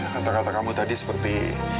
kata kata kamu tadi seperti